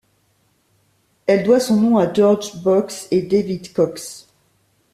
Elle doit son nom à George Box et David Cox.